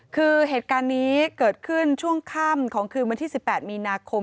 คือเหตุการณ์นี้เกิดขึ้นช่วงค่ำของคืนวันที่๑๘มีนาคม